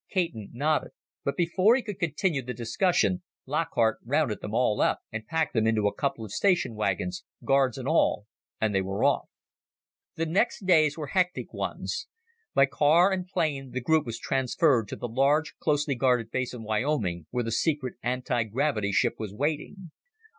Caton nodded, but before he could continue the discussion, Lockhart rounded them all up, packed them into a couple of station wagons, guards and all, and they were off. The next days were hectic ones. By car and plane the group was transferred to the large, closely guarded base in Wyoming where the secret anti gravity ship was waiting.